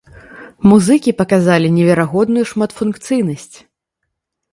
Музыкі паказалі неверагодную шматфункцыйнасць.